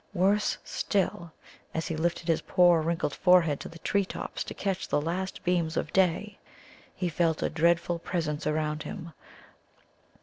Worse still, as he lifted his poor wrinkled forehead to the tree tops to catch the last beams of day, he felt a dreadful presence around him.